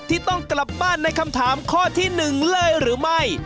ที่ต้องกลับบ้านในคำถามข้อที่๑เลยหรือไม่